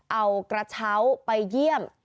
เอากระเช้าไปเยี่ยม